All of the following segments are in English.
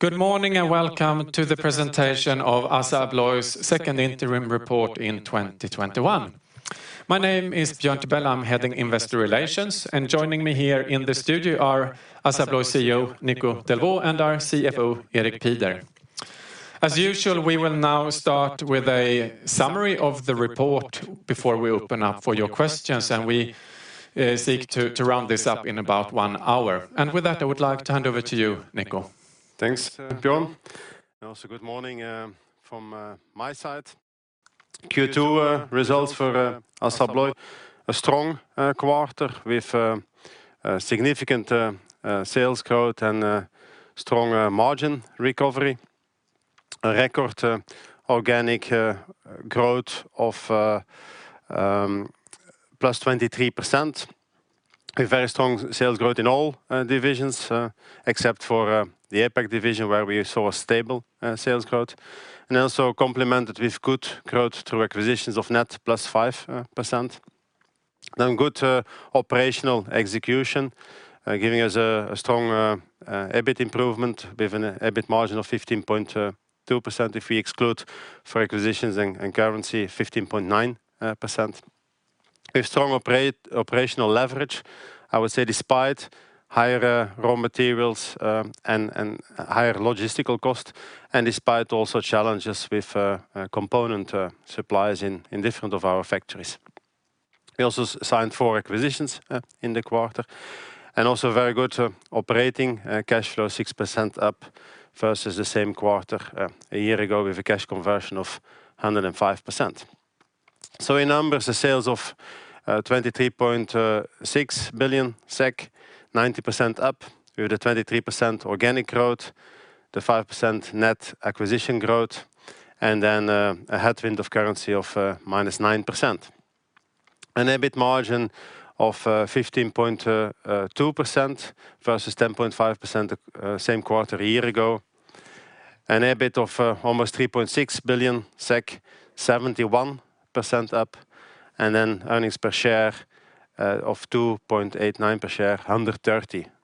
Good morning, and welcome to the presentation of ASSA ABLOY's second interim report in 2021. My name is Björn Tibell. I'm heading Investor Relations, and joining me here in the studio are ASSA ABLOY CEO Nico Delvaux and our CFO, Erik Pieder. As usual, we will now start with a summary of the report before we open up for your questions, and we seek to round this up in about one hour. With that, I would like to hand over to you, Nico. Thanks, Björn. Good morning from my side. Q2 results for ASSA ABLOY, a strong quarter with significant sales growth and strong margin recovery. A record organic growth of +23%, with very strong sales growth in all divisions except for the APAC division, where we saw stable sales growth. Complemented with good growth through acquisitions of net +5%. Good operational execution, giving us a strong EBIT improvement with an EBIT margin of 15.2%. If we exclude for acquisitions and currency, 15.9%. With strong operational leverage, I would say despite higher raw materials and higher logistical cost, and despite also challenges with component supplies in different of our factories. We also signed four acquisitions in the quarter, and also very good operating cash flow, +6% up versus the same quarter a year ago with a cash conversion of 105%. In numbers, the sales of 23.6 billion SEK, 90% up with a 23% organic growth to 5% net acquisition growth, and then a headwind of currency of -9%. An EBIT margin of 15.2% versus 10.5% the same quarter a year ago. An EBIT of almost 3.6 billion SEK, 71% up, and then earnings per share of 2.89 per share,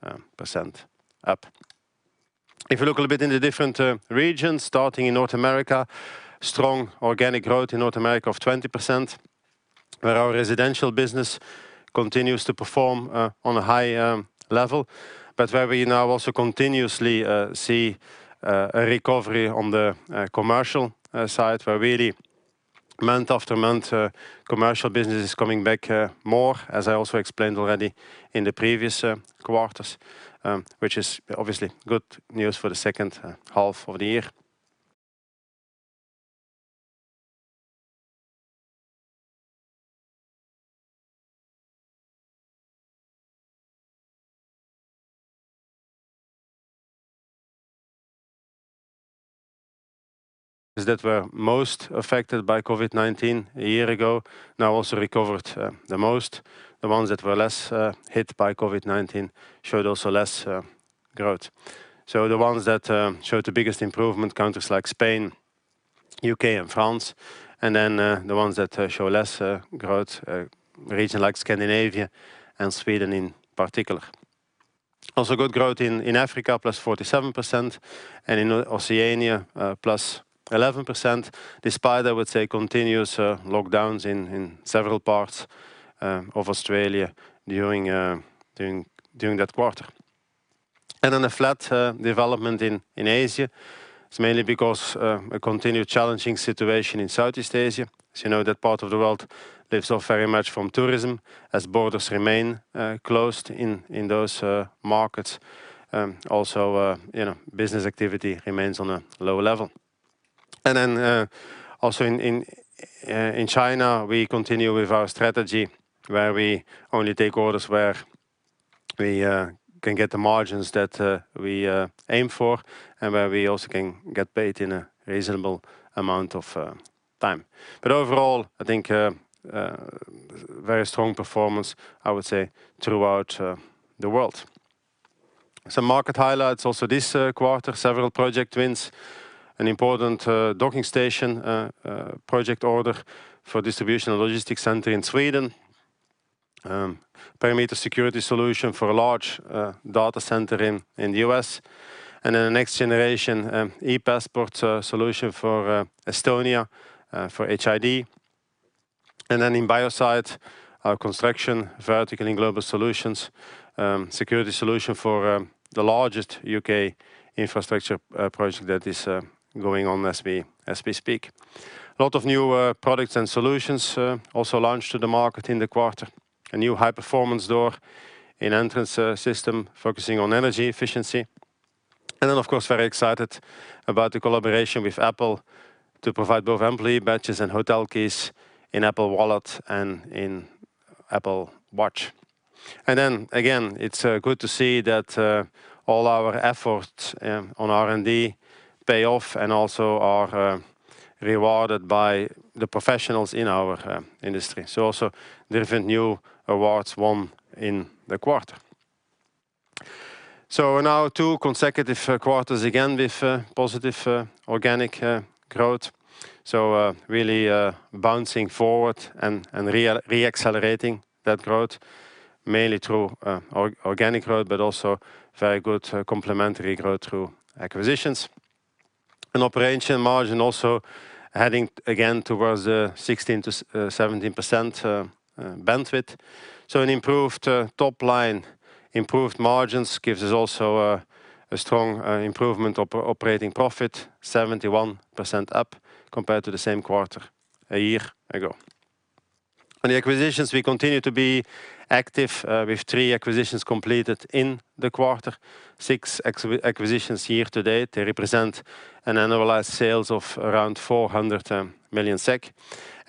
130% up. If you look a little bit into different regions, starting in North America, strong organic growth in North America of 20%, where our residential business continues to perform on a high level. Where we now also continuously see a recovery on the commercial side, where really month after month, commercial business is coming back more, as I also explained already in the previous quarters, which is obviously good news for the second half of the year. That were most affected by COVID-19 one year ago, now also recovered the most. The ones that were less hit by COVID-19 showed also less growth. The ones that showed the biggest improvement, countries like Spain, U.K., and France, the ones that show less growth, a region like Scandinavia and Sweden in particular. Good growth in Africa, +47%, and in Oceania, +11%, despite, I would say, continuous lockdowns in several parts of Australia during that quarter. A flat development in Asia. It's mainly because a continued challenging situation in Southeast Asia. As you know, that part of the world lives off very much from tourism as borders remain closed in those markets. Business activity remains on a lower level. In China, we continue with our strategy where we only take orders where we can get the margins that we aim for and where we also can get paid in a reasonable amount of time. Overall, I think very strong performance, I would say, throughout the world. Some market highlights also this quarter, several project wins. An important docking station project order for distribution and logistics center in Sweden. Perimeter security solution for a large data center in the U.S. The next generation ePassport solution for Estonia for HID. In Biosite, our construction vertical in Global Solutions, security solution for the largest U.K. infrastructure project that is going on as we speak. A lot of new products and solutions also launched to the market in the quarter. A new high-performance door and entrance system focusing on energy efficiency. Of course, very excited about the collaboration with Apple to provide both employee badges and hotel keys in Apple Wallet and in Apple Watch. Again, it's good to see that all our efforts on R&D pay off and also are rewarded by the professionals in our industry. Also different new awards won in the quarter. Now two consecutive quarters, again, with positive organic growth. Really bouncing forward and re-accelerating that growth, mainly through organic growth, but also very good complementary growth through acquisitions. An operational margin also heading again towards 16%-17% bandwidth. An improved top line, improved margins gives us also a strong improvement operating profit, 71% up compared to the same quarter a year ago. On the acquisitions, we continue to be active, with three acquisitions completed in the quarter, six acquisitions year to date. They represent an annualized sales of around 400 million SEK.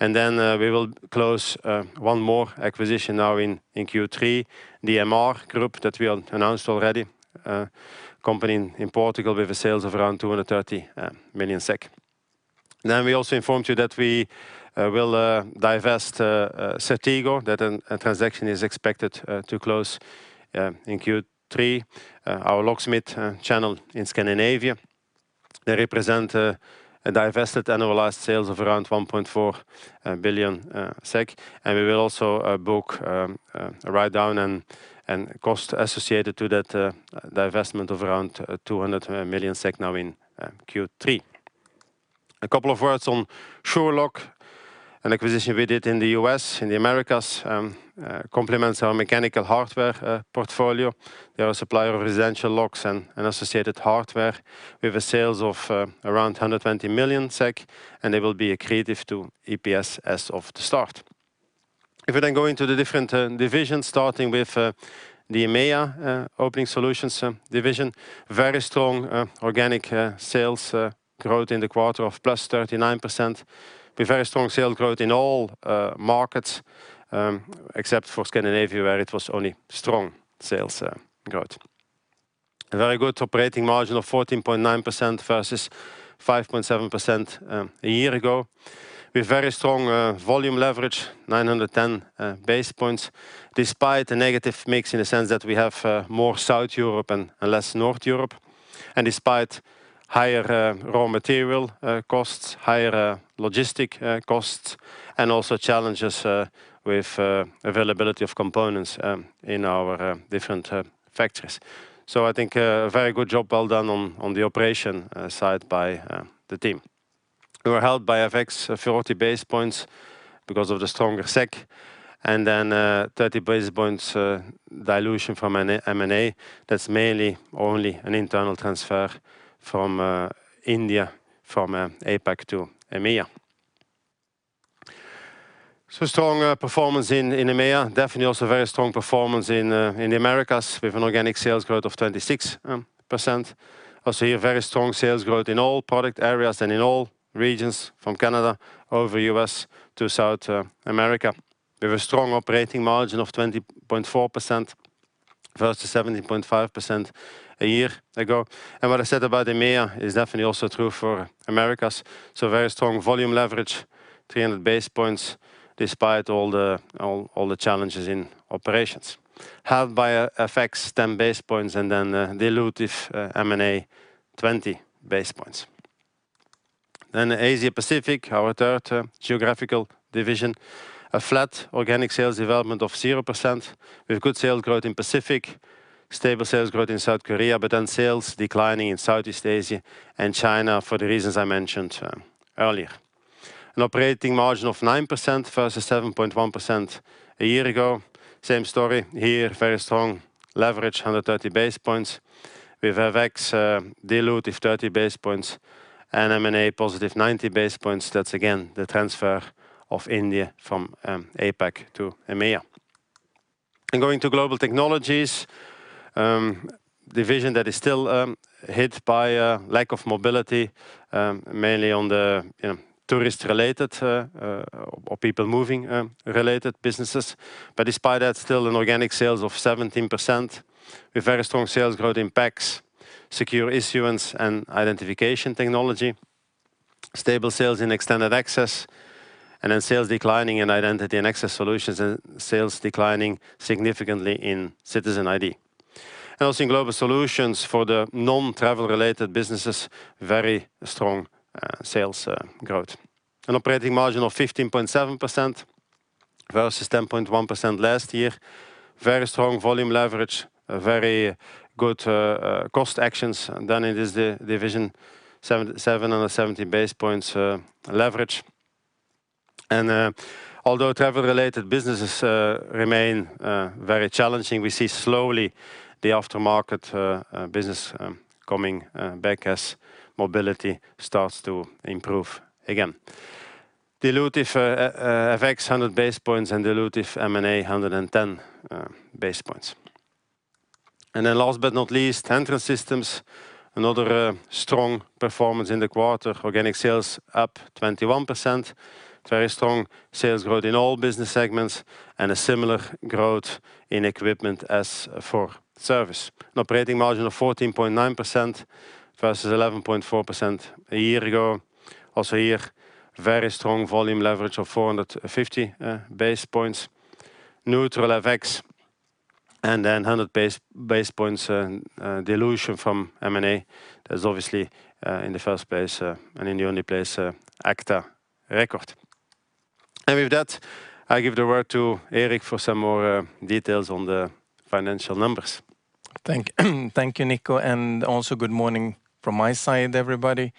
We will close one more acquisition now in Q3, the MR Group that we announced already. A company in Portugal with a sales of around 230 million SEK. We also informed you that we will divest CERTEGO, that transaction is expected to close in Q3. Our locksmith channel in Scandinavia. They represent a divested annualized sales of around 1.4 billion SEK, and we will also book a write-down and cost associated to that divestment of around 200 million SEK now in Q3. A couple of words on Sure-Loc, an acquisition we did in the U.S., in the Americas. Complements our mechanical hardware portfolio. They are a supplier of residential locks and associated hardware with a sales of around 120 million SEK, and they will be accretive to EPS as of the start. If we go into the different divisions, starting with the Opening Solutions EMEIA division. Very strong organic sales growth in the quarter of +39%, with very strong sales growth in all markets, except for Scandinavia, where it was only strong sales growth. A very good operating margin of 14.9% versus 5.7% a year ago, with very strong volume leverage, 910 basis points, despite a negative mix in the sense that we have more South Europe and less North Europe. Despite higher raw material costs, higher logistic costs, and also challenges with availability of components in our different factories. I think a very good job well done on the operation side by the team. We were held by FX 40 basis points because of the stronger Swedish kroner, 30 basis points dilution from M&A. That's mainly only an internal transfer from India, from APAC to EMEIA. Strong performance in EMEIA. Definitely also very strong performance in the Americas with an organic sales growth of 26%. Also here, very strong sales growth in all product areas and in all regions from Canada over U.S. to South America, with a strong operating margin of 20.4% versus 17.5% a year ago. What I said about EMEIA is definitely also true for Americas. Very strong volume leverage, 300 basis points despite all the challenges in operations. Held by FX 10 basis points and then dilutive M&A 20 basis points. Asia Pacific, our third geographical division. A flat organic sales development of 0%, with good sales growth in Pacific, stable sales growth in South Korea, but then sales declining in Southeast Asia and China for the reasons I mentioned earlier. An operating margin of 9% versus 7.1% a year ago. Same story here. Very strong leverage, 130 basis points with FX dilutive 30 basis points and M&A positive 90 basis points. That's again the transfer of India from APAC to EMEIA. Going to Global Technologies, division that is still hit by a lack of mobility, mainly on the tourist related or people moving related businesses. Despite that, still an organic sales of 17%, with very strong sales growth in PACS, secure issuance and identification technology, stable sales in extended access, and sales declining in identity and access solutions, and sales declining significantly in citizen ID. Also in Global Solutions for the non-travel related businesses, very strong sales growth. An operating margin of 15.7% versus 10.1% last year. Very strong volume leverage, very good cost actions done in this division, 770 basis points leverage. Although travel-related businesses remain very challenging, we see slowly the aftermarket business coming back as mobility starts to improve again. Dilutive FX 100 basis points and dilutive M&A 110 basis points. Last but not least, Entrance Systems. Another strong performance in the quarter. Organic sales up 21%. Very strong sales growth in all business segments and a similar growth in equipment as for service. An operating margin of 14.9% versus 11.4% a year ago. Also here, very strong volume leverage of 450 basis points, neutral FX, and then 100 basis points dilution from M&A. That's obviously in the first place, and in the only place, agta record. With that, I give the word to Erik for some more details on the financial numbers. Thank you, Nico, and also good morning from my side, everybody.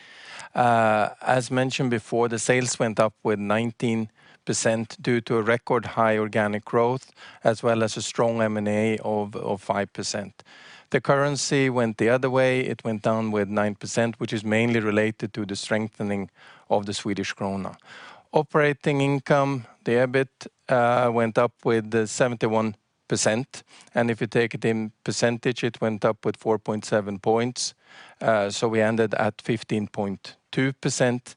As mentioned before, the sales went up with 19% due to a record high organic growth as well as a strong M&A of 5%. The currency went the other way. It went down with 9%, which is mainly related to the strengthening of the Swedish krona. Operating income, the EBIT, went up with 71%, and if you take it in percentage, it went up with 4.7 points. We ended at 15.2%.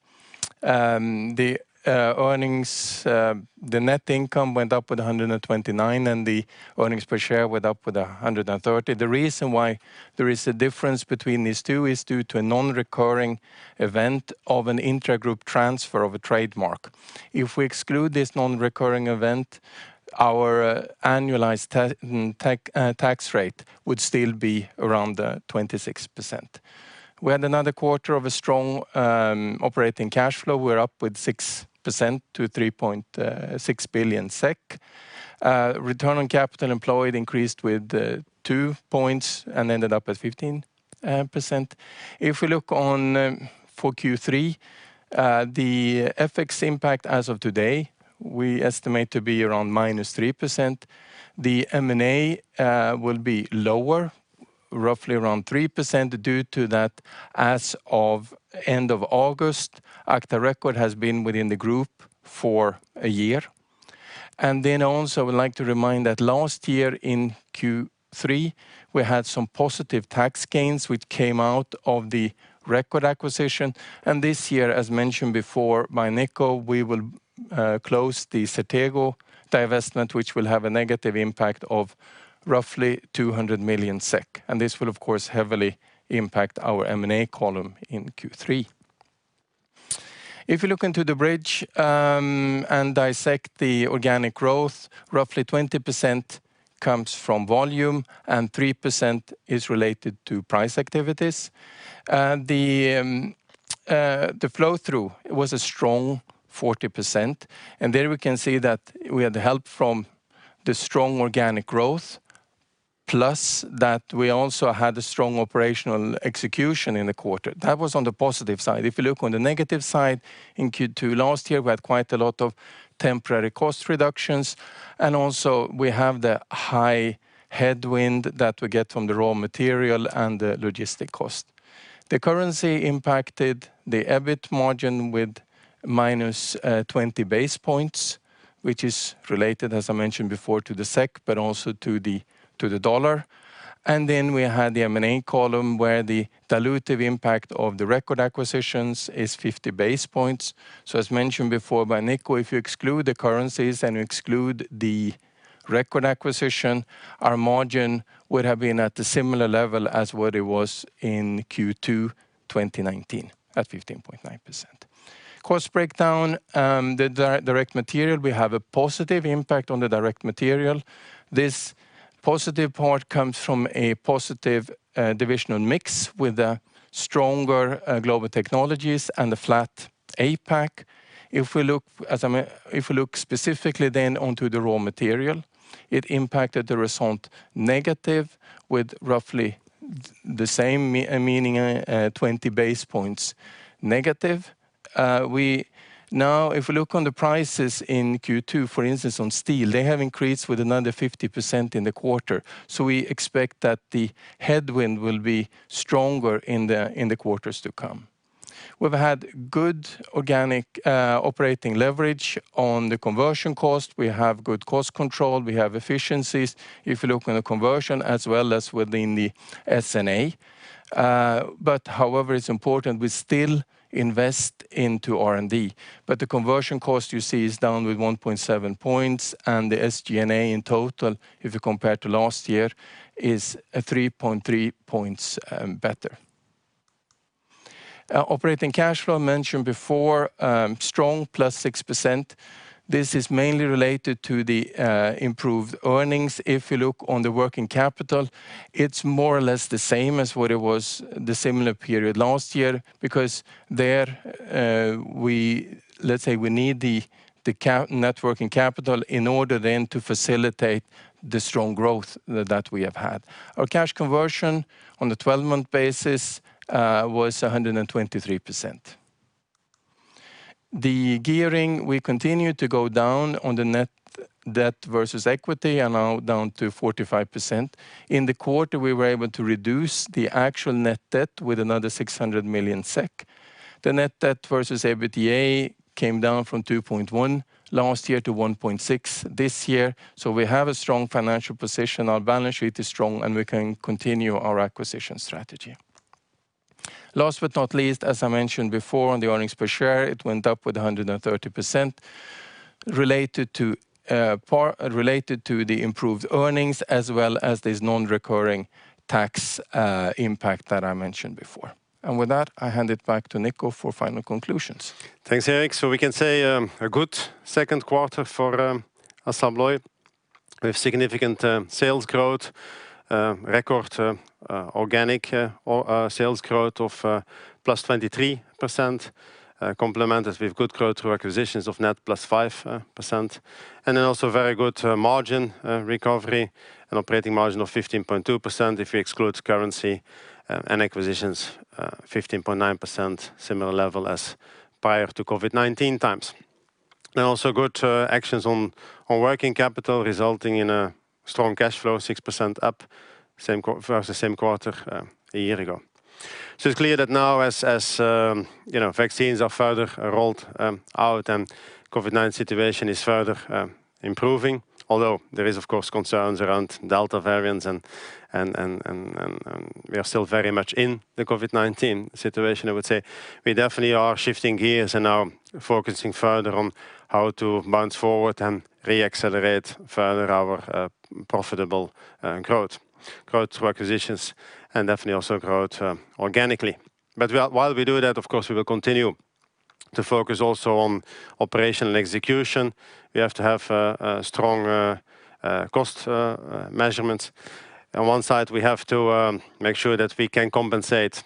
The net income went up with 129%, and the earnings per share went up with 130%. The reason why there is a difference between these two is due to a non-recurring event of an intra-group transfer of a trademark. If we exclude this non-recurring event, our annualized tax rate would still be around 26%. We had another quarter of a strong operating cash flow. We're up with 6% to 3.6 billion SEK. Return on capital employed increased with two points and ended up at 15%. If we look on for Q3, the FX impact as of today, we estimate to be around -3%. The M&A will be lower, roughly around 3%, due to that as of end of August, agta record has been within the group for a year. Also would like to remind that last year in Q3, we had some positive tax gains, which came out of the record acquisition. This year, as mentioned before by Nico, we will close the CERTEGO divestment, which will have a negative impact of roughly 200 million SEK. This will, of course, heavily impact our M&A column in Q3. If you look into the bridge, and dissect the organic growth, roughly 20% comes from volume, and 3% is related to price activities. The flow-through was a strong 40%, and there we can see that we had help from the strong organic growth, plus that we also had a strong operational execution in the quarter. That was on the positive side. If you look on the negative side, in Q2 last year, we had quite a lot of temporary cost reductions, and also we have the high headwind that we get from the raw material and the logistic cost. The currency impacted the EBIT margin with -20 basis points, which is related, as I mentioned before, to the SEK, but also to the U.S. dollar. Then we had the M&A column, where the dilutive impact of the agta record acquisitions is 50 basis points. As mentioned before by Nico, if you exclude the currencies and you exclude the record acquisition, our margin would have been at a similar level as what it was in Q2 2019, at 15.9%. Cost breakdown, the direct material, we have a positive impact on the direct material. This positive part comes from a positive divisional mix with a stronger Global Technologies and a flat APAC. If we look specifically onto the raw material, it impacted the result negative with roughly the same, meaning 20 basis points negative. If we look on the prices in Q2, for instance, on steel, they have increased with another 50% in the quarter. We expect that the headwind will be stronger in the quarters to come. We've had good organic operating leverage on the conversion cost. We have good cost control. We have efficiencies if you look on the conversion as well as within the SG&A. However, it's important we still invest into R&D. The conversion cost you see is down with 1.7 points, and the SG&A in total, if you compare to last year, is 3.3 points better. Operating cash flow mentioned before, strong plus 6%. This is mainly related to the improved earnings. If you look on the working capital, it's more or less the same as what it was the similar period last year because there we need the net working capital in order then to facilitate the strong growth that we have had. Our cash conversion on the 12-month basis was 123%. The gearing, we continue to go down on the net debt versus equity, and now down to 45%. In the quarter, we were able to reduce the actual net debt with another 600 million SEK. The net debt versus EBITDA came down from 2.1x last year to 1.6x this year. We have a strong financial position. Our balance sheet is strong, and we can continue our acquisition strategy. Last but not least, as I mentioned before on the earnings per share, it went up with 130% related to the improved earnings as well as this non-recurring tax impact that I mentioned before. With that, I hand it back to Nico for final conclusions. Thanks, Erik. We can say a good second quarter for ASSA ABLOY. We have significant sales growth, record organic sales growth of +23%, complemented with good growth through acquisitions of net +5%. Also very good margin recovery, an operating margin of 15.2% if you exclude currency and acquisitions, 15.9%, similar level as prior to COVID-19 times. Also good actions on working capital resulting in a strong cash flow, 6% up versus the same quarter a year ago. It's clear that now as vaccines are further rolled out and COVID-19 situation is further improving, although there is, of course, concerns around Delta variants and we are still very much in the COVID-19 situation, I would say we definitely are shifting gears and are focusing further on how to bounce forward and re-accelerate further our profitable growth. Growth through acquisitions and definitely also growth organically. While we do that, of course, we will continue to focus also on operational execution. We have to have strong cost measurements. On one side, we have to make sure that we can compensate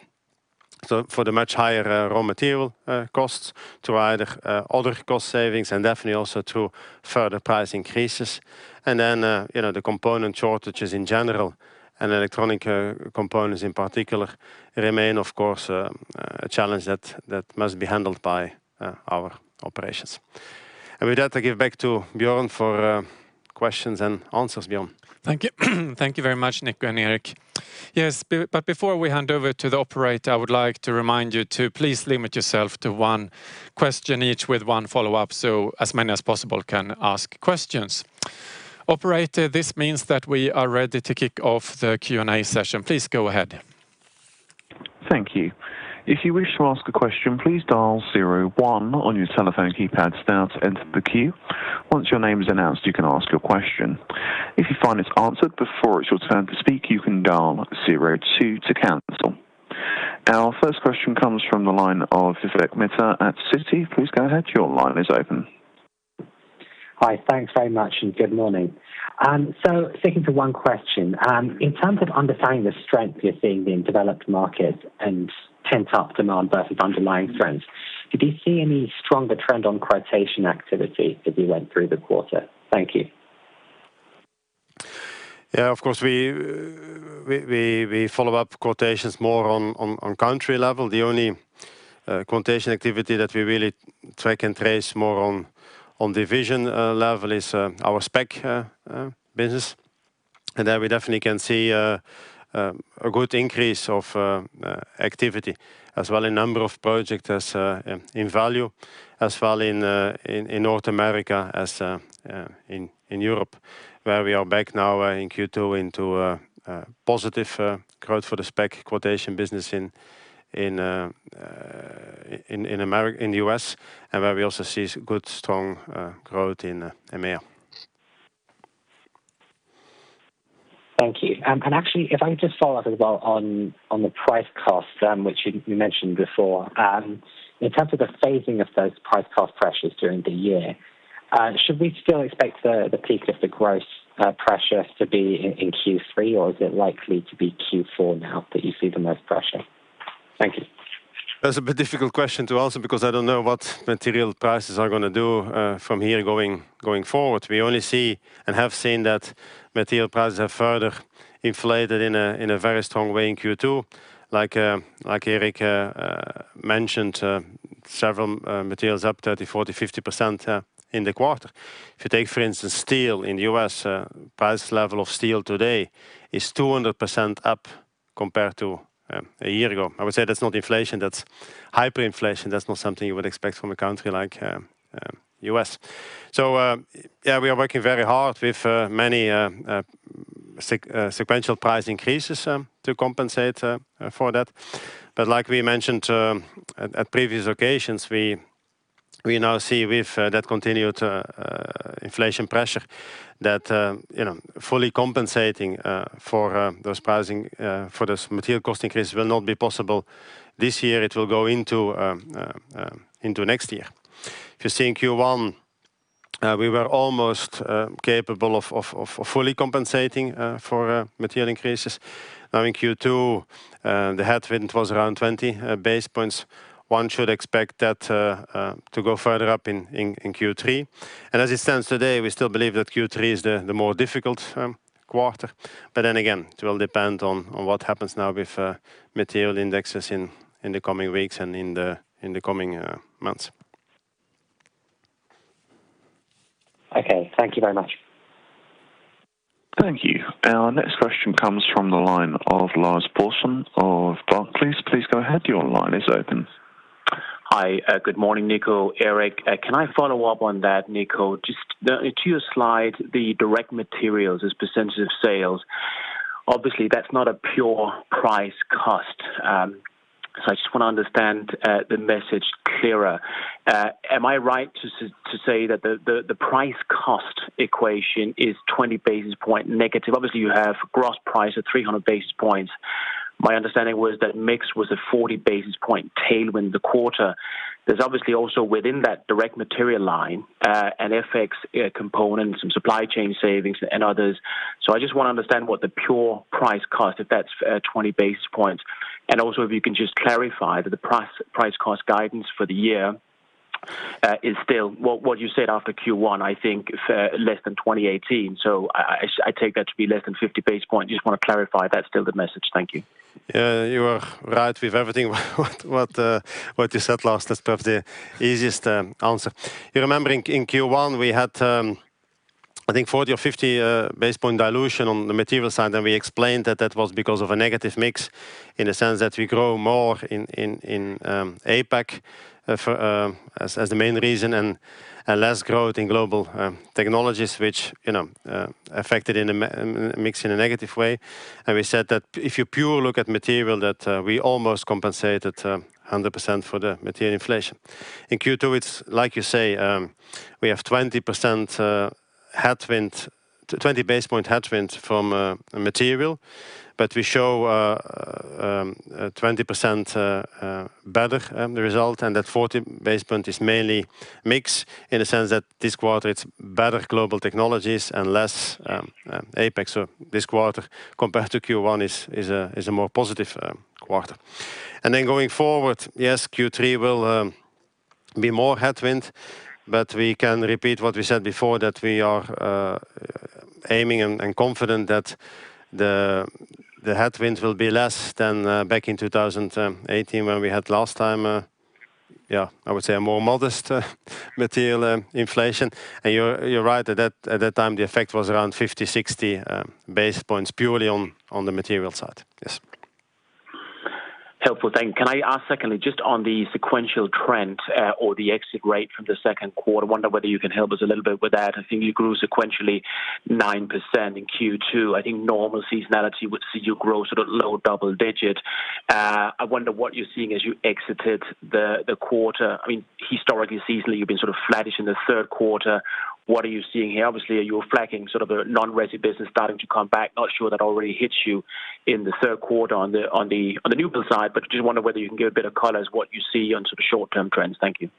for the much higher raw material costs through either other cost savings and definitely also through further price increases. Then the component shortages in general and electronic components in particular remain, of course, a challenge that must be handled by our operations. With that, I give back to Björn for questions and answers. Björn? Thank you. Thank you very much, Nico and Erik. Yes, but before we hand over to the operator, I would like to remind you to please limit yourself to one question each with one follow-up, so as many as possible can ask questions. Operator, this means that we are ready to kick off the Q&A session. Please go ahead. Thank you. Our first question comes from the line of Vivek Midha at Citi. Please go ahead. Your line is open. Hi. Thanks very much. Good morning. Sticking to one question. In terms of understanding the strength you're seeing in developed markets and pent-up demand versus underlying trends, did you see any stronger trend on quotation activity as we went through the quarter? Thank you. Of course, we follow up quotations more on country level. The only quotation activity that we really track and trace more on division level is our spec business. There we definitely can see a good increase of activity as well in number of projects as in value, as well in North America as in Europe, where we are back now in Q2 into a positive growth for the spec quotation business in the U.S. and where we also see good, strong growth in EMEIA. Thank you. Actually, if I could just follow up as well on the price cost, which you mentioned before. In terms of the phasing of those price cost pressures during the year, should we still expect the peak of the gross pressure to be in Q3, or is it likely to be Q4 now that you see the most pressure? Thank you. That's a bit difficult question to answer because I don't know what material prices are going to do from here going forward. We only see and have seen that material prices are further inflated in a very strong way in Q2. Like Erik mentioned, several materials up 30%, 40%, 50% in the quarter. If you take, for instance, steel in the U.S., price level of steel today is 200% up compared to one year ago. I would say that's not inflation, that's hyperinflation. That's not something you would expect from a country like U.S. Yeah, we are working very hard with many sequential price increases to compensate for that. Like we mentioned at previous occasions, we now see with that continued inflation pressure that fully compensating for those material cost increases will not be possible this year. It will go into next year. If you see in Q1, we were almost capable of fully compensating for material increases. Now in Q2, the headwind was around 20 basis points. One should expect that to go further up in Q3. As it stands today, we still believe that Q3 is the more difficult quarter. It will depend on what happens now with material indexes in the coming weeks and in the coming months. Okay. Thank you very much. Thank you. Our next question comes from the line of Lars Brorson of Barclays. Please go ahead. Your line is open. Hi. Good morning, Nico, Erik. Can I follow up on that, Nico? Just to your slide, the direct materials as percentage of sales. Obviously, that's not a pure price cost. I just want to understand the message clearer. Am I right to say that the price cost equation is 20 basis point negative? Obviously, you have gross price at 300 basis points. My understanding was that mix was a 40 basis point tailwind the quarter. There's obviously also within that direct material line, an FX component, some supply chain savings, and others. I just want to understand what the pure price cost, if that's 20 basis points. Also, if you can just clarify that the price cost guidance for the year is still what you said after Q1, I think less than 2018. I take that to be less than 50 basis points. Just want to clarify that's still the message. Thank you. You are right with everything what you said Lars. That's perhaps the easiest answer. You remember in Q1 we had, I think 40 or 50 basis points dilution on the material side. We explained that that was because of a negative mix in the sense that we grow more in APAC as the main reason and less growth in Global Technologies, which affected mix in a negative way. We said that if you purely look at material, that we almost compensated 100% for the material inflation. In Q2, it's like you say, we have 20 basis points headwind from material. We show a 20% better result. That 40 basis points is mainly mix in the sense that this quarter it's better Global Technologies and less APAC. This quarter compared to Q1 is a more positive quarter. Going forward, yes, Q3 will be more headwind, but we can repeat what we said before, that we are aiming and confident that the headwind will be less than back in 2018 when we had last time, I would say a more modest material inflation. You're right, at that time, the effect was around 50-60 basis points purely on the material side. Yes. Helpful. Thank you. Can I ask secondly, just on the sequential trend or the exit rate from the second quarter, I wonder whether you can help us a little bit with that. I think you grew sequentially 9% in Q2. I think normal seasonality would see you grow sort of low double-digit. I wonder what you're seeing as you exited the quarter. Historically, seasonally, you've been sort of flattish in the third quarter. What are you seeing here? Obviously, you're flagging sort of a non-resi business starting to come back. Not sure that already hits you in the third quarter on the new build side, but just wonder whether you can give a bit of color as what you see on sort of short-term trends. Thank you.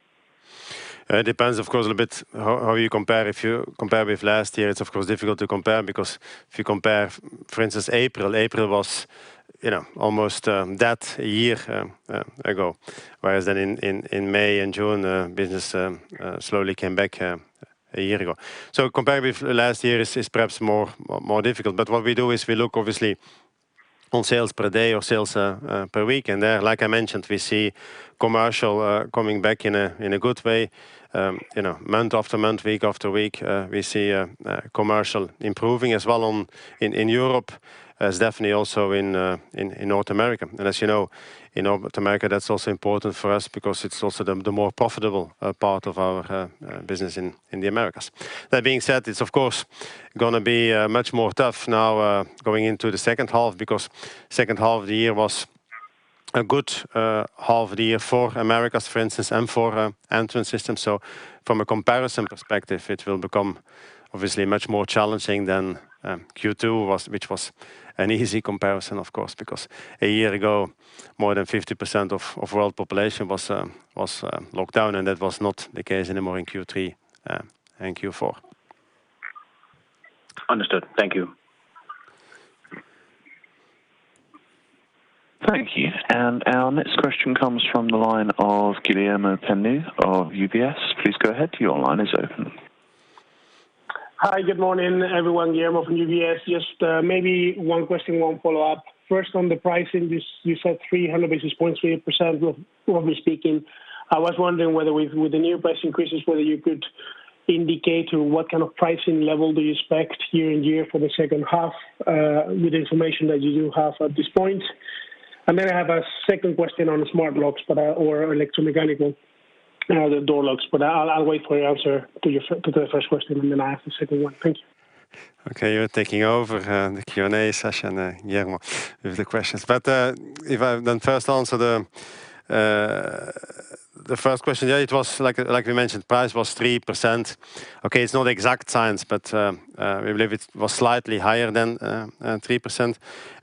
It depends of course, a little bit how you compare. If you compare with last year, it's of course difficult to compare because if you compare, for instance, April. April was almost that a year ago, whereas then in May and June, business slowly came back a year ago. Comparing with last year is perhaps more difficult. What we do is we look obviously on sales per day or sales per week, and there, like I mentioned, we see commercial coming back in a good way. Month after month, week after week, we see commercial improving as well in Europe as definitely also in North America. As you know, in North America, that's also important for us because it's also the more profitable part of our business in the Americas. That being said, it's of course going to be much more tough now going into the second half because second half of the year was a good half the year for Americas, for instance, and for Entrance Systems. From a comparison perspective, it will become obviously much more challenging than Q2 which was an easy comparison, of course. A year ago, more than 50% of world population was locked down, and that was not the case anymore in Q3 and Q4. Understood. Thank you. Thank you. Our next question comes from the line of Guillermo Peigneux of UBS. Please go ahead. Your line is open. Hi. Good morning, everyone. Guillermo from UBS. Maybe one question, one follow-up. First, on the pricing, you said 300 basis points, 3% roughly speaking. I was wondering whether with the new price increases, whether you could indicate to what kind of pricing level do you expect year-over-year for the second half with the information that you do have at this point? I have a second question on smart locks or electromechanical door locks, but I'll wait for your answer to the first question, and then I ask the second one. Thank you. Okay, you're taking over the Q&A session, Guillermo, with the questions. If I first answer the first question, yeah, it was like we mentioned, price was 3%. Okay, it's not exact science, we believe it was slightly higher than 3%.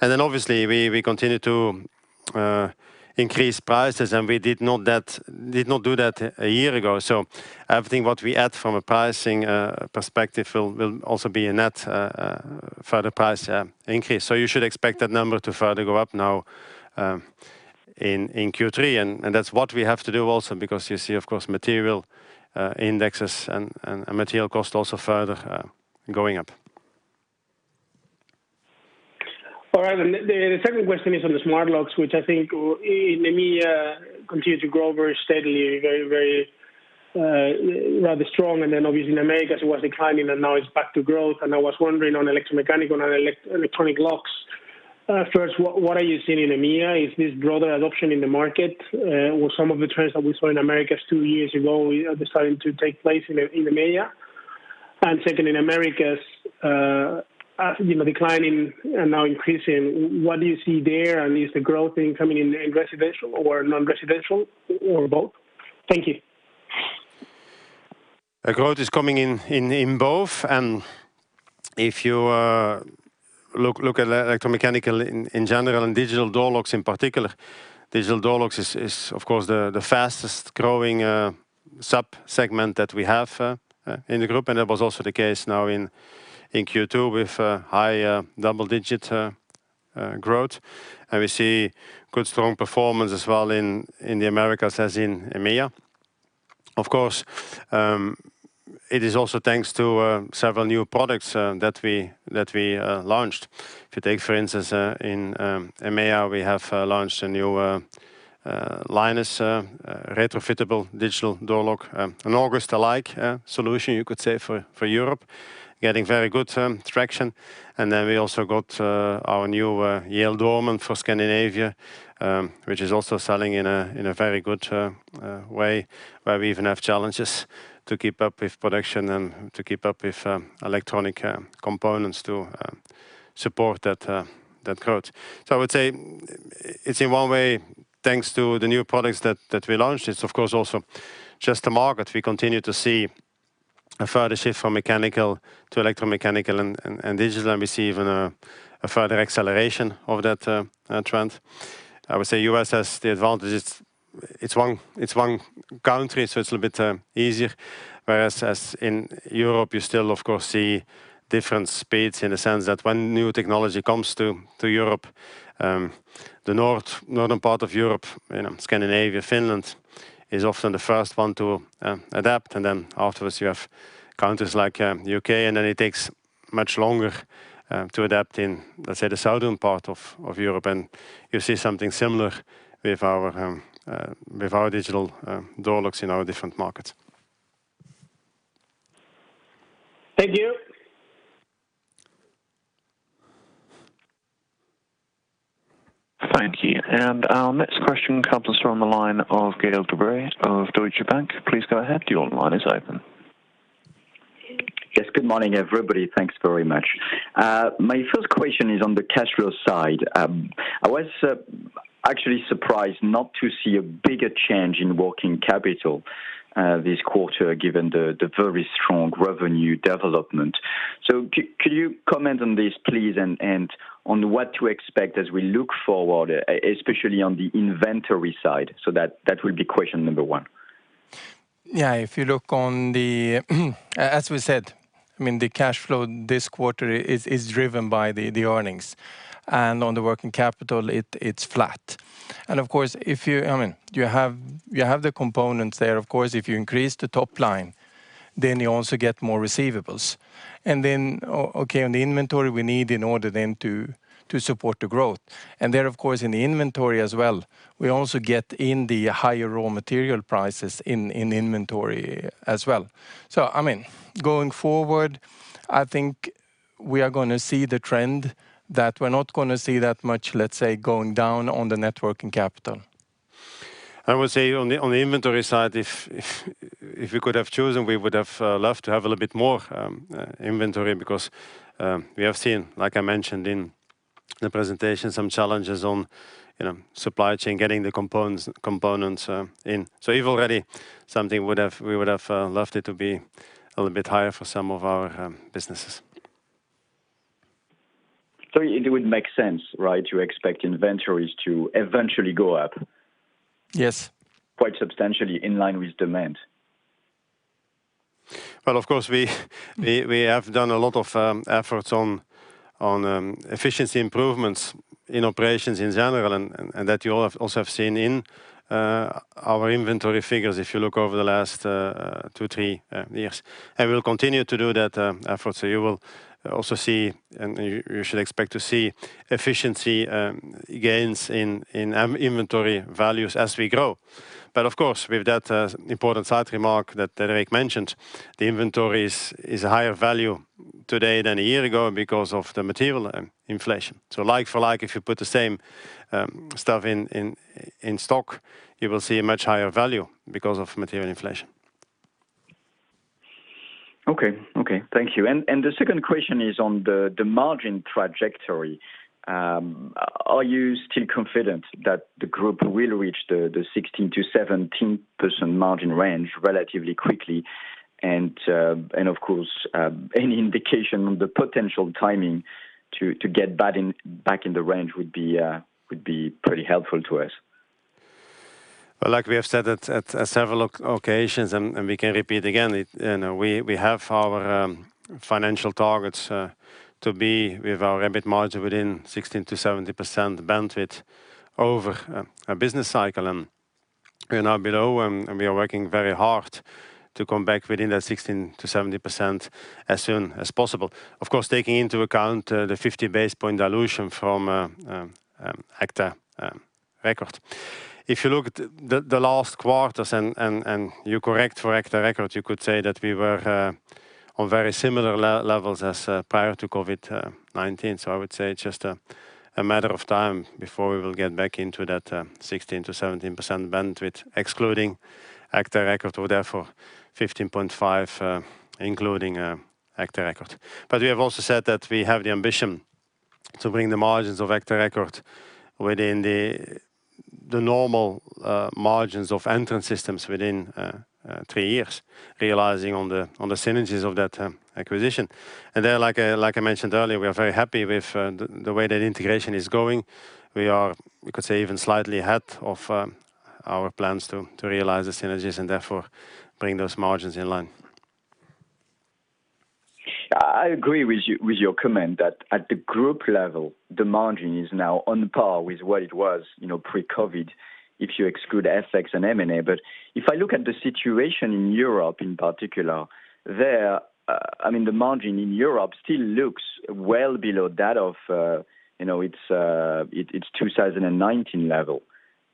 Obviously we continue to increase prices, and we did not do that a year ago. Everything what we add from a pricing perspective will also be a net further price increase. You should expect that number to further go up now in Q3. That's what we have to do also because you see, of course, material indexes and material cost also further going up. All right. The second question is on the smart locks, which I think in EMEIA continue to grow very steadily, very rather strong. Obviously in Americas it was declining and now it's back to growth. I was wondering on electromechanical and electronic locks. First, what are you seeing in EMEIA? Is this broader adoption in the market with some of the trends that we saw in Americas two years ago, we are starting to take place in EMEIA? Second, in Americas declining and now increasing, what do you see there? Is the growth incoming in residential or non-residential or both? Thank you. The growth is coming in both. If you look at electromechanical in general, and digital door locks in particular, digital door locks is of course, the fastest-growing subsegment that we have in the group, and that was also the case now in Q2 with high double-digit growth. We see good strong performance as well in the Americas, as in EMEIA. Of course, it is also thanks to several new products that we launched. If you take, for instance, in EMEIA, we have launched a new Linus retrofittable digital door lock, an August-alike solution, you could say, for Europe. Getting very good traction. We also got our new Yale Doorman for Scandinavia, which is also selling in a very good way, where we even have challenges to keep up with production and to keep up with electronic components to support that growth. I would say it's in one way, thanks to the new products that we launched. It's of course, also just the market. We continue to see a further shift from mechanical to electromechanical and digital, and we see even a further acceleration of that trend. I would say U.S. has the advantages. It's one country, so it's a little bit easier. Whereas as in Europe, you still, of course, see different speeds in the sense that when new technology comes to Europe, the northern part of Europe, Scandinavia, Finland, is often the first one to adapt, and then afterwards you have countries like U.K., and then it takes much longer to adapt in, let's say, the southern part of Europe. You see something similar with our digital door locks in our different markets. Thank you. Thank you. Our next question comes from the line of Gael de-Bray of Deutsche Bank. Please go ahead. Your line is open. Yes. Good morning, everybody. Thanks very much. My first question is on the cash flow side. I was actually surprised not to see a bigger change in working capital this quarter, given the very strong revenue development. Could you comment on this, please, and on what to expect as we look forward, especially on the inventory side? That will be question number one. Yeah, as we said, the cash flow this quarter is driven by the earnings. On the working capital, it's flat. Of course, you have the components there. Of course, if you increase the top line, you also get more receivables. Okay, on the inventory we need in order then to support the growth. There, of course, in the inventory as well, we also get in the higher raw material prices in inventory as well. Going forward, I think we are going to see the trend that we're not going to see that much, let's say, going down on the net working capital. I would say on the inventory side, if we could have chosen, we would have loved to have a little bit more inventory because we have seen, like I mentioned in the presentation, some challenges on supply chain, getting the components in. Even already, something we would have loved it to be a little bit higher for some of our businesses. It would make sense, right, to expect inventories to eventually go up. Yes Quite substantially in line with demand? Well, of course, we have done a lot of efforts on efficiency improvements in operations in general, and that you all have also have seen in our inventory figures if you look over the last two, three years. We'll continue to do that effort. You will also see, and you should expect to see efficiency gains in inventory values as we grow. Of course, with that important side remark that Erik mentioned, the inventory is a higher value today than a year ago because of the material inflation. Like for like, if you put the same stuff in stock, you will see a much higher value because of material inflation. Okay. Thank you. The second question is on the margin trajectory. Are you still confident that the group will reach the 16%-17% margin range relatively quickly? Of course, any indication on the potential timing to get back in the range would be pretty helpful to us. Well, like we have said at several occasions, and we can repeat again, we have our financial targets to be with our EBIT margin within 16%-17% bandwidth over a business cycle, and are below, and we are working very hard to come back within that 16%-17% as soon as possible. Of course, taking into account the 50 basis points dilution from agta record. If you look at the last quarters, and you correct for agta record, you could say that we were on very similar levels as prior to COVID-19. I would say it's just a matter of time before we will get back into that 16%-17% bandwidth, excluding agta record, or therefore 15.5%, including agta record. We have also said that we have the ambition to bring the margins of agta record within the normal margins of Entrance Systems within three years, realizing on the synergies of that acquisition. Like I mentioned earlier, we are very happy with the way that integration is going. We are, we could say, even slightly ahead of our plans to realize the synergies and therefore bring those margins in line. I agree with your comment that at the group level, the margin is now on par with what it was pre-COVID, if you exclude FX and M&A. If I look at the situation in Europe in particular, the margin in Europe still looks well below that of its 2019 level,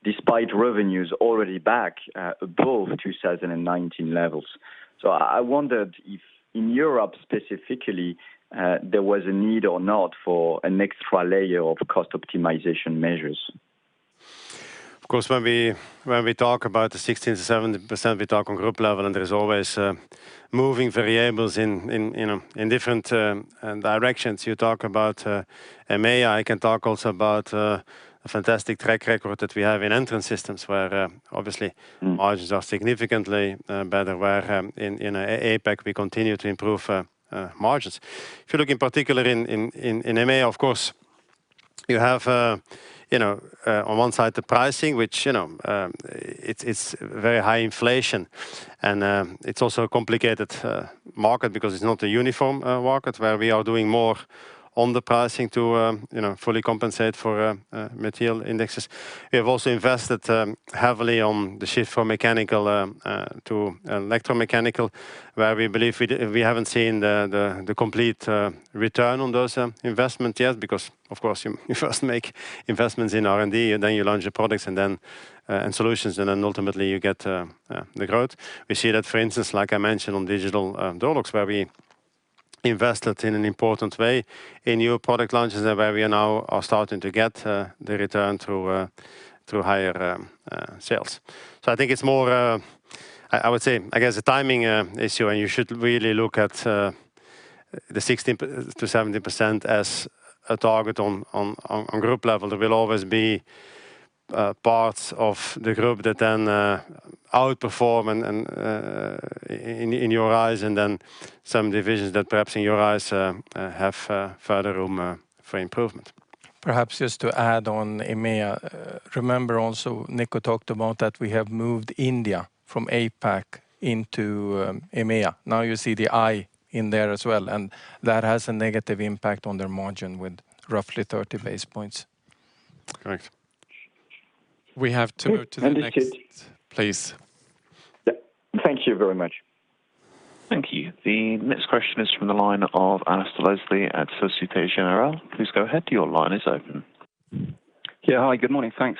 despite revenues already back above 2019 levels. I wondered if in Europe specifically, there was a need or not for an extra layer of cost optimization measures. Of course, when we talk about the 16%-17%, we talk on group level. There is always moving variables in different directions. You talk about EMEIA. I can talk also about a fantastic track record that we have in Entrance Systems where obviously margins are significantly better, where in APAC, we continue to improve margins. If you look in particular in EMEIA, of course, you have on one side the pricing, which it's very high inflation. It's also a complicated market because it's not a uniform market where we are doing more on the pricing to fully compensate for material indexes. We have also invested heavily on the shift from mechanical to electromechanical, where we believe we haven't seen the complete return on those investments yet because, of course, you first make investments in R&D, and then you launch your products and solutions, and then ultimately you get the growth. We see that, for instance, like I mentioned on digital door locks, where we invested in an important way in new product launches and where we now are starting to get the return through higher sales. I think it's more, I would say, I guess, a timing issue, and you should really look at the 16%-17% as a target on group level. There will always be parts of the group that then outperform in your eyes and then some divisions that perhaps in your eyes have further room for improvement. Perhaps just to add on EMEIA. Remember also Nico talked about that we have moved India from APAC into EMEIA. Now you see the I in there as well, and that has a negative impact on their margin with roughly 30 basis points. Correct. We have to go to the next, please. Thank you very much. Thank you. The next question is from the line of Alasdair Leslie at Société Générale. Please go ahead. Your line is open. Yeah. Hi, good morning. Thanks.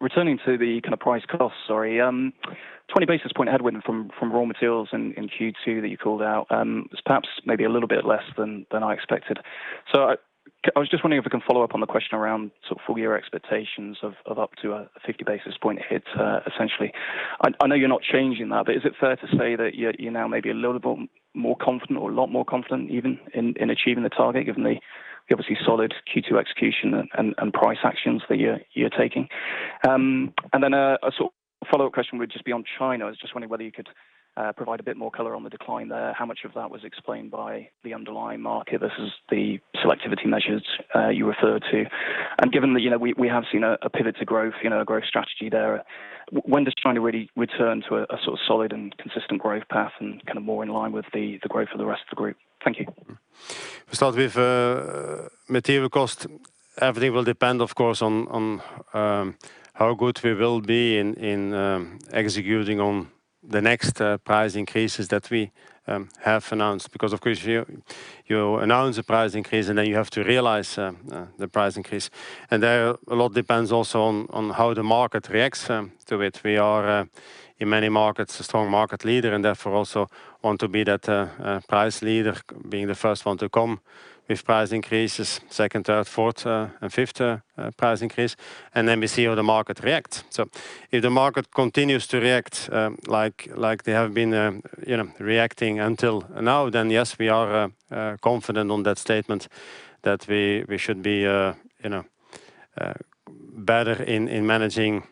Returning to the price cost, sorry, 20 basis point headwind from raw materials in Q2 that you called out. It was perhaps maybe a little bit less than I expected. I was just wondering if we can follow up on the question around full year expectations of up to a 50 basis point hit, essentially. I know you're not changing that, but is it fair to say that you're now maybe a little bit more confident or a lot more confident even in achieving the target, given the obviously solid Q2 execution and price actions that you're taking? A follow-up question would just be on China. I was just wondering whether you could provide a bit more color on the decline there. How much of that was explained by the underlying market versus the selectivity measures you referred to? Given that we have seen a pivot to growth strategy there, when does China really return to a solid and consistent growth path and more in line with the growth of the rest of the group? Thank you. We start with material cost. Everything will depend, of course, on how good we will be in executing on the next price increases that we have announced because, of course, you announce a price increase and then you have to realize the price increase. There, a lot depends also on how the market reacts to it. We are, in many markets, a strong market leader and therefore also want to be that price leader, being the first one to come with price increases, second, third, fourth, and fifth price increase. Then we see how the market reacts. If the market continues to react like they have been reacting until now, then yes, we are confident on that statement that we should be better in managing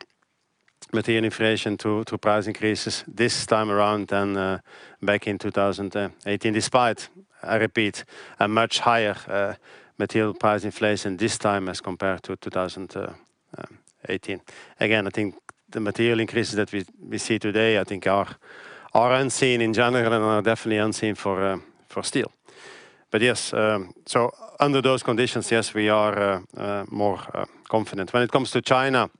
material inflation to price increases this time around than back in 2018, despite, I repeat, a much higher material price inflation this time as compared to 2018. I think the material increases that we see today, I think are unseen in general and are definitely unseen for steel. Yes, under those conditions, yes, we are more confident. When it comes to China,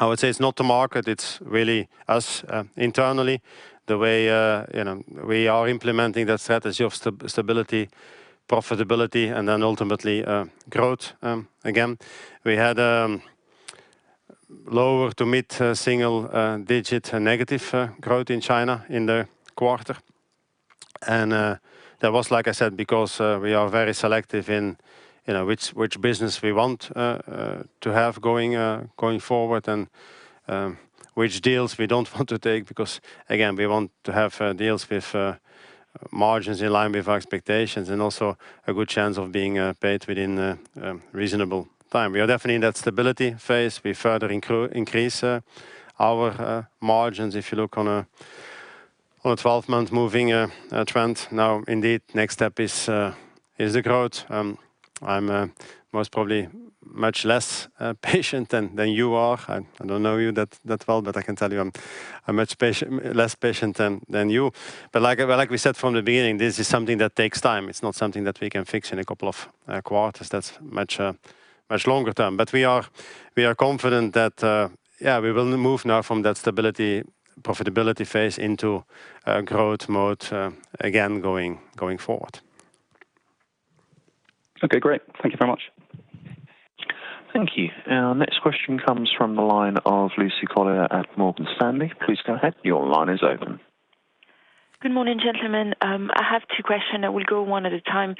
I would say it's not the market, it's really us internally, the way we are implementing that strategy of stability, profitability, and then ultimately growth. Again, we had lower to mid-single digit negative growth in China in the quarter. That was, like I said, because we are very selective in which business we want to have going forward and which deals we don't want to take, because again, we want to have deals with margins in line with our expectations and also a good chance of being paid within a reasonable time. We are definitely in that stability phase. We further increase our margins. If you look on a 12-month moving trend now. Indeed, next step is the growth. I'm most probably much less patient than you are. I don't know you that well, but I can tell you I'm much less patient than you. Like we said from the beginning, this is something that takes time. It's not something that we can fix in a couple of quarters. That's much longer term. We are confident that we will move now from that stability, profitability phase into growth mode, again, going forward. Okay, great. Thank you very much. Thank you. Our next question comes from the line of Lucie Carrier at Morgan Stanley. Please go ahead. Your line is open. Good morning, gentlemen. I have two questions. I will go one at a time.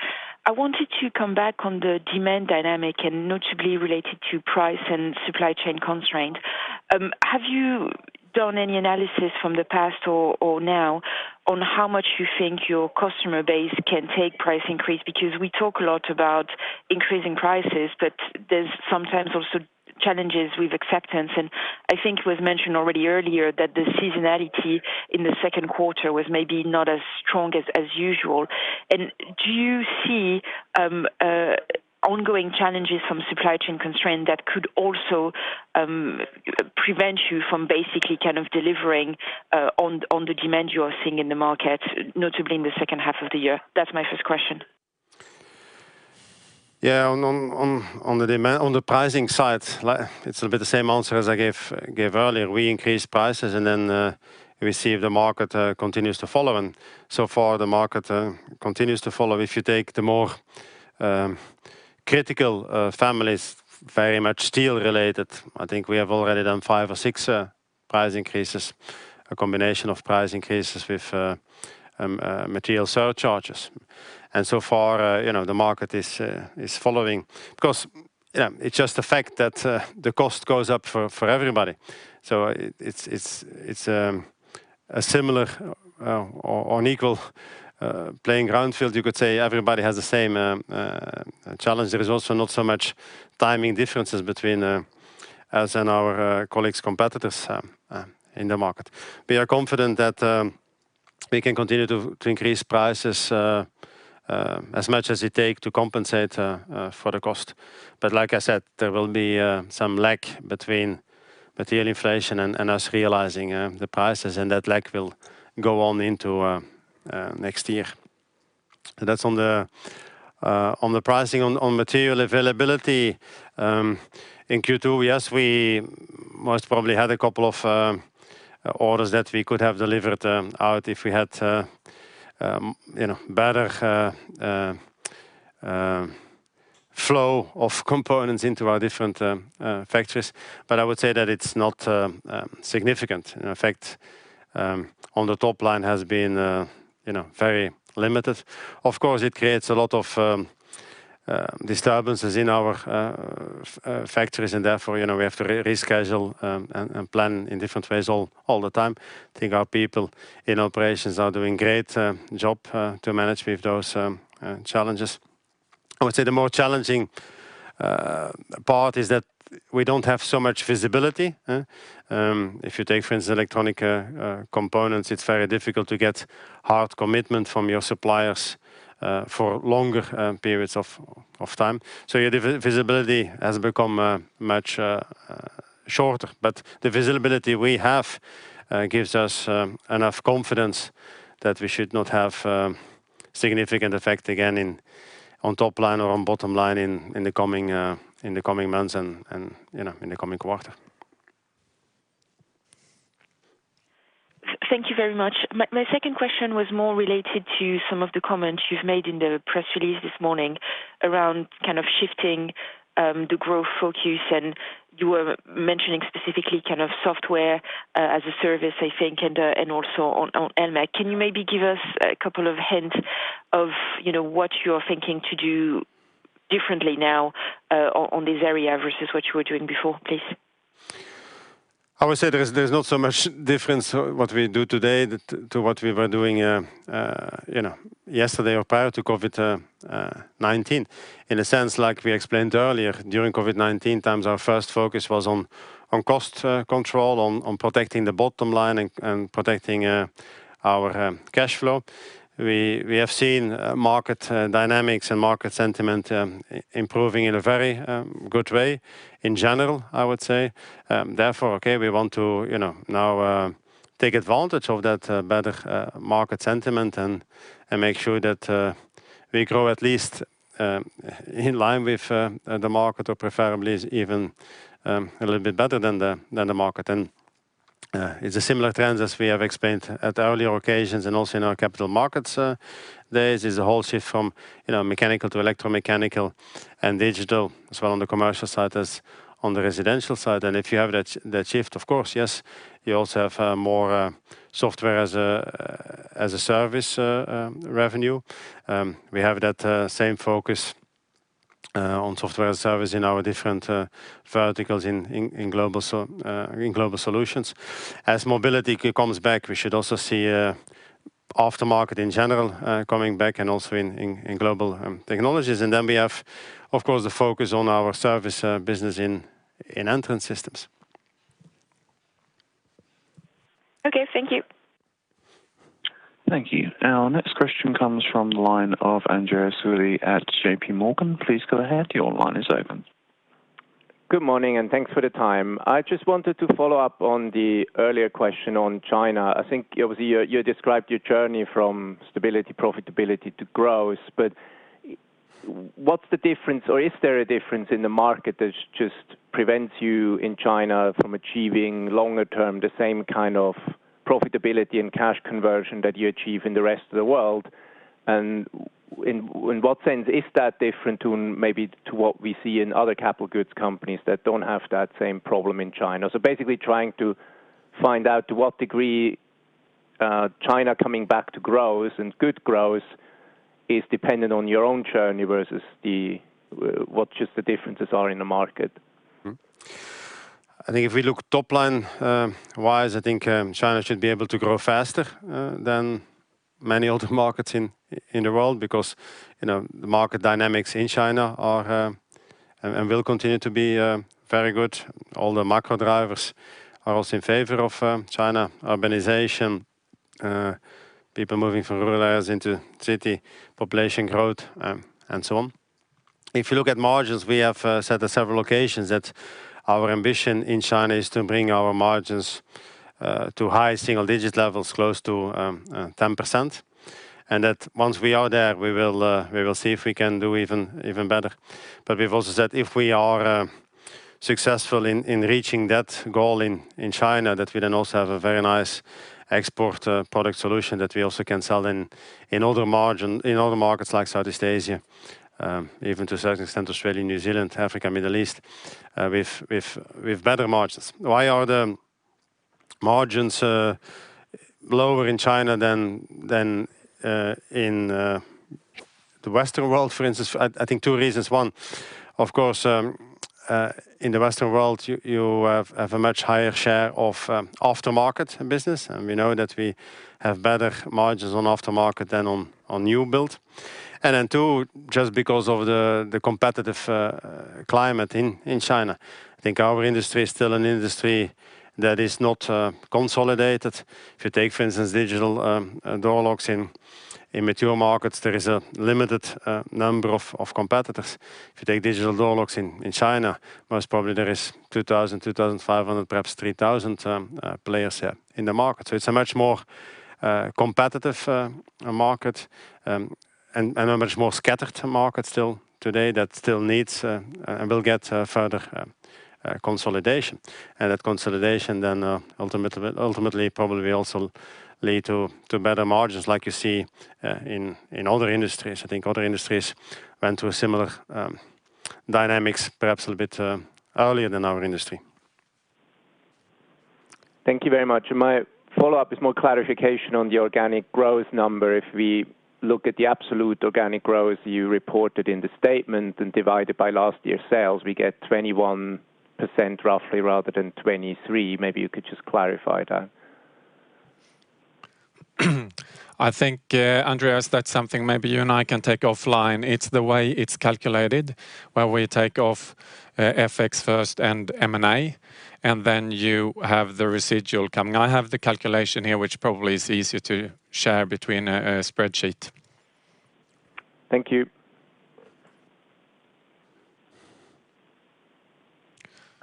I wanted to come back on the demand dynamic and notably related to price and supply chain constraint. Have you done any analysis from the past or now on how much you think your customer base can take price increase? Because we talk a lot about increasing prices, but there's sometimes also challenges with acceptance. I think it was mentioned already earlier that the seasonality in the second quarter was maybe not as strong as usual. Do you see ongoing challenges from supply chain constraint that could also prevent you from basically delivering on the demand you are seeing in the market, notably in the second half of the year? That's my first question. On the pricing side, it's a bit the same answer as I gave earlier. We increase prices then we see if the market continues to follow. So far, the market continues to follow. If you take the more critical families, very much steel related, I think we have already done five or six price increases, a combination of price increases with material surcharges. So far, the market is following. It's just the fact that the cost goes up for everybody. It's a similar or an equal playing ground field, you could say. Everybody has the same challenge. There is also not so much timing differences between us and our colleagues, competitors in the market. We are confident that we can continue to increase prices as much as it takes to compensate for the cost. Like I said, there will be some lag between material inflation and us realizing the prices, and that lag will go on into next year. That's on the pricing. On material availability in Q2, yes, we most probably had a couple of orders that we could have delivered out if we had better flow of components into our different factories. I would say that it's not significant. In fact, on the top line has been very limited. Of course, it creates a lot of disturbances in our factories and therefore, we have to reschedule and plan in different ways all the time. I think our people in operations are doing great job to manage with those challenges. I would say the more challenging part is that we don't have so much visibility. If you take, for instance, electronic components, it is very difficult to get hard commitment from your suppliers for longer periods of time. Your visibility has become much shorter. The visibility we have gives us enough confidence that we should not have significant effect again on top line or on bottom line in the coming months and in the coming quarter. Thank you very much. My second question was more related to some of the comments you've made in the press release this morning around shifting the growth focus, and you were mentioning specifically software as a service, I think, and also on electromechanical. Can you maybe give us a couple of hints of what you're thinking to do differently now on this area versus what you were doing before, please? I would say there's not so much difference what we do today to what we were doing yesterday or prior to COVID-19. In a sense, like we explained earlier, during COVID-19 times, our first focus was on cost control, on protecting the bottom line and protecting our cash flow. We have seen market dynamics and market sentiment improving in a very good way in general, I would say. Therefore, okay, we want to now take advantage of that better market sentiment and make sure that we grow at least in line with the market, or preferably even a little bit better than the market. It's a similar trend as we have explained at earlier occasions and also in our capital markets. There is a whole shift from mechanical to electromechanical and digital as well on the commercial side as on the residential side. If you have that shift, of course, yes, you also have more software-as-a-service revenue. We have that same focus on software-as-a-service in our different verticals in Global Solutions. As mobility comes back, we should also see aftermarket in general coming back and also in Global Technologies. Then we have, of course, the focus on our service business in Entrance Systems. Okay. Thank you. Thank you. Our next question comes from the line of Andreas Willi at JPMorgan. Please go ahead. Good morning, thanks for the time. I just wanted to follow up on the earlier question on China. I think obviously you described your journey from stability, profitability to growth, but what's the difference or is there a difference in the market that just prevents you in China from achieving longer term the same kind of profitability and cash conversion that you achieve in the rest of the world? In what sense is that different to maybe to what we see in other capital goods companies that don't have that same problem in China? Basically trying to find out to what degree China coming back to growth and good growth is dependent on your own journey versus what just the differences are in the market. I think if we look top-line wise, I think China should be able to grow faster than many other markets in the world because the market dynamics in China are and will continue to be very good. All the macro drivers are also in favor of China urbanization, people moving from rural areas into city, population growth, and so on. If you look at margins, we have said at several occasions that our ambition in China is to bring our margins to high single-digit levels close to 10%, and that once we are there, we will see if we can do even better. We've also said if we are successful in reaching that goal in China, that we then also have a very nice export product solution that we also can sell in other markets like Southeast Asia, even to a certain extent, Australia, New Zealand, Africa, Middle East, with better margins. Why are the margins lower in China than in the Western world, for instance? I think two reasons. One, of course, in the Western world, you have a much higher share of aftermarket business, and we know that we have better margins on aftermarket than on new build. Two, just because of the competitive climate in China. I think our industry is still an industry that is not consolidated. If you take, for instance, digital door locks in mature markets, there is a limited number of competitors. If you take digital door locks in China, most probably there is 2,000, 2,500, perhaps 3,000 players in the market. It's a much more competitive market, and a much more scattered market still today that still needs and will get further consolidation. That consolidation then ultimately probably will also lead to better margins like you see in other industries. I think other industries went through a similar dynamics perhaps a little bit earlier than our industry. Thank you very much. My follow-up is more clarification on the organic growth number. If we look at the absolute organic growth you reported in the statement and divide it by last year's sales, we get 21% roughly rather than 23%. Maybe you could just clarify that. I think, Andreas, that's something maybe you and I can take offline. It's the way it's calculated, where we take off FX first and M&A, and then you have the residual coming. I have the calculation here, which probably is easier to share between a spreadsheet. Thank you.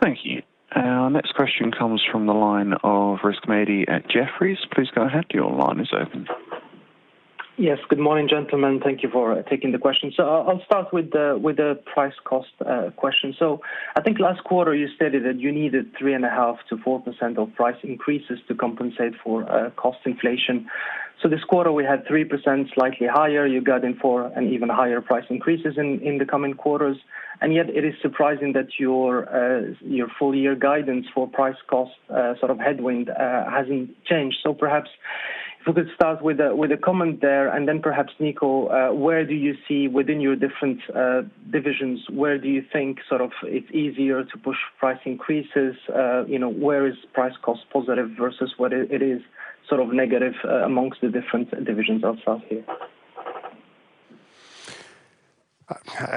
Thank you. Our next question comes from the line of Rizk Maidi at Jefferies. Please go ahead. Your line is open. Yes. Good morning, gentlemen. Thank you for taking the question. I'll start with the price cost question. I think last quarter you stated that you needed 3.5%-4% of price increases to compensate for cost inflation. This quarter we had 3% slightly higher. You got in for an even higher price increases in the coming quarters, and yet it is surprising that your full year guidance for price cost sort of headwind hasn't changed. Perhaps if we could start with a comment there and then perhaps Nico, where do you see within your different divisions, where do you think sort of it's easier to push price increases? Where is price cost positive versus where it is sort of negative amongst the different divisions of ASSA ABLOY?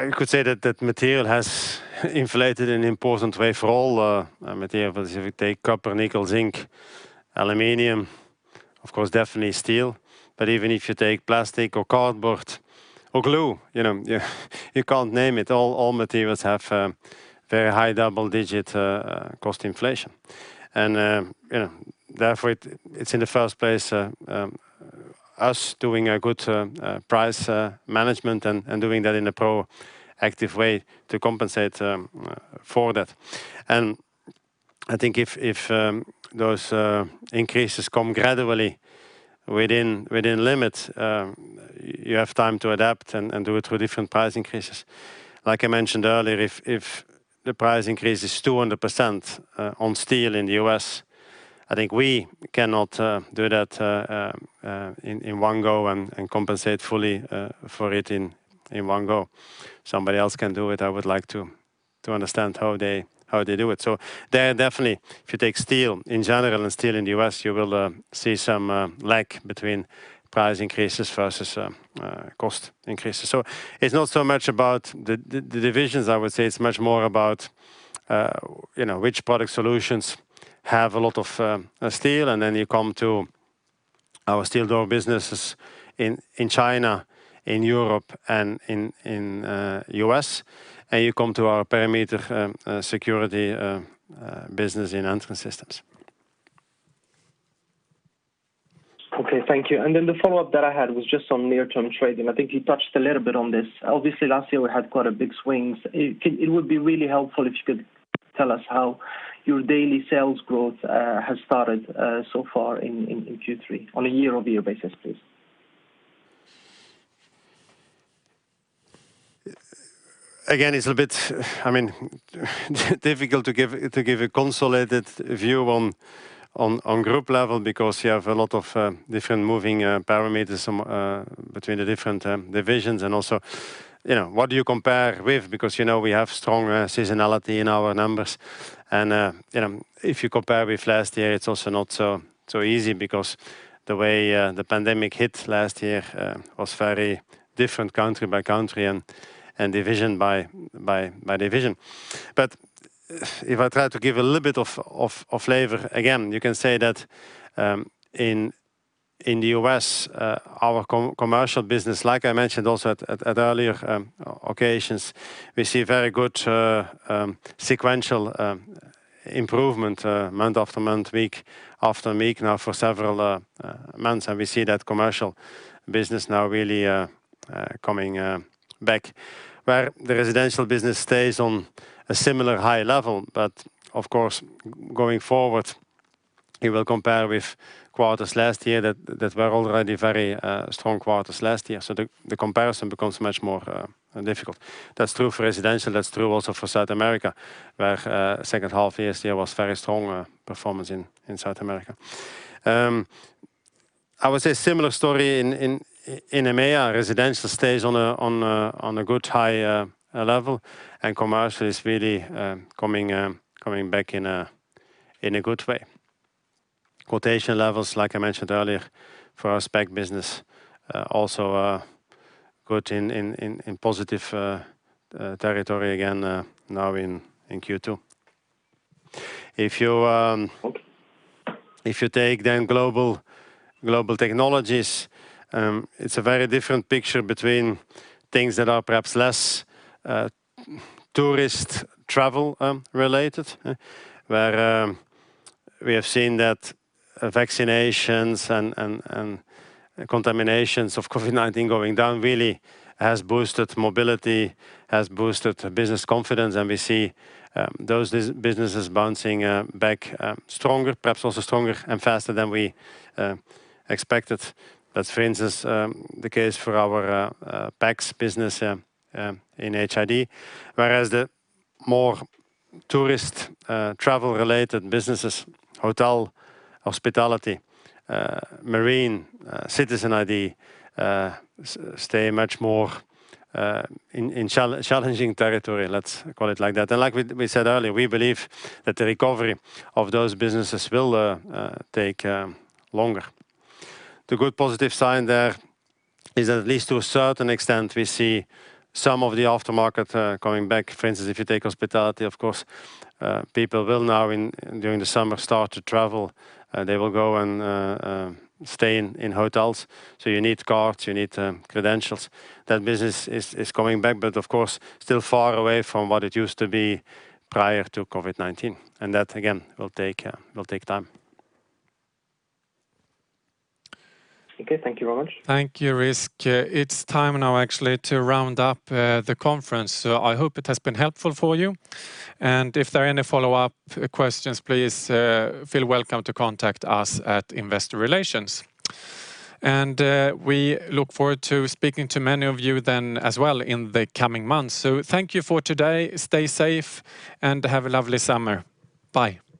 You could say that material has inflated in an important way for all material. If you take copper, nickel, zinc, aluminum, of course, definitely steel. Even if you take plastic or cardboard or glue, you can't name it. All materials have very high double-digit cost inflation. Therefore it's in the first place us doing a good price management and doing that in a proactive way to compensate for that. I think if those increases come gradually within limits, you have time to adapt and do it through different price increases. Like I mentioned earlier, if the price increase is 200% on steel in the U.S., I think we cannot do that in one go and compensate fully for it in one go. Somebody else can do it. I would like to understand how they do it. There definitely, if you take steel in general and steel in the U.S., you will see some lack between price increases versus cost increases. It's not so much about the divisions, I would say it's much more about which product solutions have a lot of steel, and then you come to our steel door businesses in China, in Europe, and in U.S., and you come to our perimeter security business in Entrance Systems. Okay, thank you. The follow-up that I had was just on near-term trading. I think you touched a little bit on this. Obviously, last year we had quite big swings. It would be really helpful if you could tell us how your daily sales growth has started so far in Q3 on a year-over-year basis, please. Again, it's a bit difficult to give a consolidated view on group level because you have a lot of different moving parameters between the different divisions and also, what do you compare with? We have strong seasonality in our numbers. If you compare with last year, it's also not so easy because the way the pandemic hit last year was very different country by country and division by division. If I try to give a little bit of flavor, again, you can say that in the U.S., our commercial business, like I mentioned also at earlier occasions, we see very good sequential improvement month after month, week after week now for several months. We see that commercial business now really coming back, where the residential business stays on a similar high level. Of course, going forward, you will compare with quarters last year that were already very strong quarters last year. The comparison becomes much more difficult. That's true for residential. That's true also for South America, where second half last year was very strong performance in South America. I would say similar story in EMEIA. Residential stays on a good high level, and commercial is really coming back in a good way. Quotation levels, like I mentioned earlier, for our spec business also are good in positive territory again now in Q2. If you take Global Technologies, it's a very different picture between things that are perhaps less tourist travel related, where we have seen that vaccinations and contaminations of COVID-19 going down really has boosted mobility, has boosted business confidence, and we see those businesses bouncing back stronger, perhaps also stronger and faster than we expected. That's, for instance, the case for our PACS business in HID. Whereas the more tourist travel-related businesses, hotel, hospitality, marine, citizen ID, stay much more in challenging territory, let's call it like that. Like we said earlier, we believe that the recovery of those businesses will take longer. The good positive sign there is, at least to a certain extent, we see some of the aftermarket coming back. For instance, if you take hospitality, of course people will now during the summer start to travel. They will go and stay in hotels. You need cards. You need credentials. That business is coming back, but of course, still far away from what it used to be prior to COVID-19. That, again, will take time. Okay. Thank you very much. Thank you, Rizk. It's time now actually to round up the conference. I hope it has been helpful for you, and if there are any follow-up questions, please feel welcome to contact us at Investor Relations. We look forward to speaking to many of you then as well in the coming months. Thank you for today. Stay safe and have a lovely summer. Bye.